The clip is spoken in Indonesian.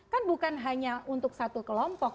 kan bukan hanya untuk satu kelompok